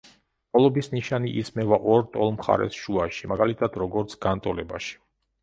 ტოლობის ნიშანი ისმევა ორ ტოლ მხარეს შუაში, მაგალითად, როგორც განტოლებაში.